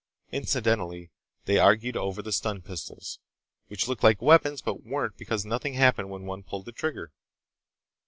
Incidentally they argued over the stun pistols, which looked like weapons but weren't because nothing happened when one pulled the trigger.